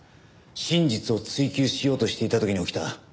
真実を追及しようとしていた時に起きた悲劇でした。